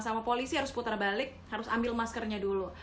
sama polisi harus putar balik harus ambil maskernya dulu